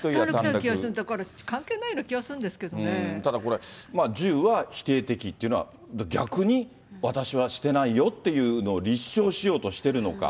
関係ないような気はするんでただこれ、銃は否定的っていうのは、逆に私はしてないよっていうのを、立証しようとしてるのか。